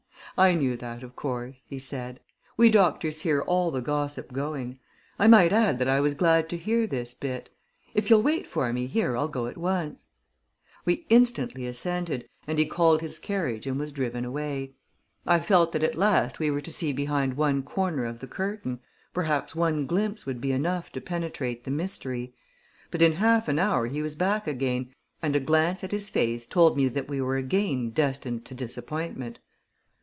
"I knew that, of course," he said. "We doctors hear all the gossip going. I might add that I was glad to hear this bit. If you'll wait for me here, I'll go at once." We instantly assented, and he called his carriage, and was driven away. I felt that, at last, we were to see behind one corner of the curtain perhaps one glimpse would be enough to penetrate the mystery. But, in half an hour he was back again, and a glance at his face told me that we were again destined to disappointment.